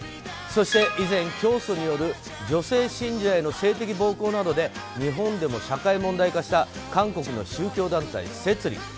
そして以前、教祖による女性信者への性的暴行などで日本でも社会問題化した韓国の宗教団体摂理。